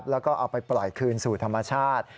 แล้วก็เอาไปปล่อยคืนสู่ธรรมชาติ